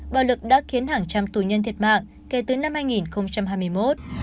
bạo lực đã khiến hàng trăm tù nhân thiệt mạng kể từ năm hai nghìn hai mươi một